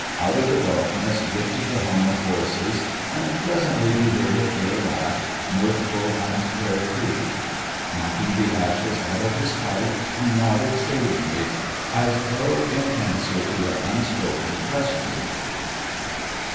Out of the darkness drifted the hum of voices, and presently he heard a clear laugh, mirthful and carefree. Knocking the ashes out of his pipe, he nodded sagely, as though in answer to an unspoken question.